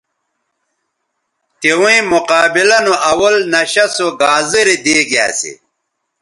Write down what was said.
تویں مقابلہ نو اول نشہ سو گازرے دیگے اسے